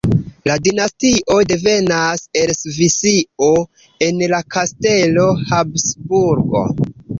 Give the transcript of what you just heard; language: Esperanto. La dinastio devenas el Svisio en la kastelo Habsburgo.